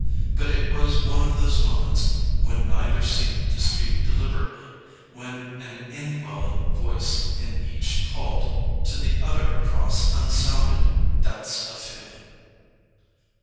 But it was one of those moments when neither seemed to speak deliberately, when an indwelling voice in each called to the other across unsounded depths of feeling.